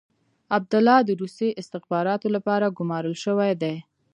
عبدالله د روسي استخباراتو لپاره ګمارل شوی دی.